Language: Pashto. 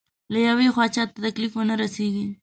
له يوې خوا چاته تکليف ونه رسېږي.